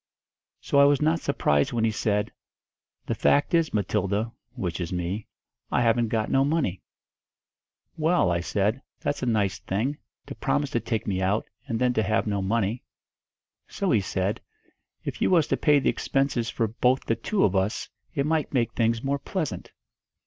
So I was not surprised when he said, 'The fact is Matilda' which is me 'I haven't got no money.' 'Well,' I said, 'that's a nice thing, to promise to take me out, and then to have no money.' So he said, 'If you was to pay the expenses for both the two of us, it might make things more pleasant.'